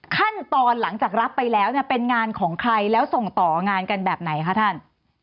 ขั้นตอนหลังจากรับไปแล้วเนี่ยเป็นงานของใครแล้วส่งต่องานกันแบบไหนคะท่าน